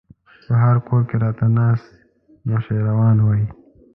په هر کور کې راته ناست نوشيروان وای